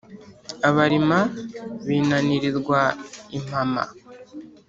Abarima binanirirwa impama